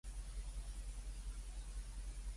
杜門、景門、中門為三中平門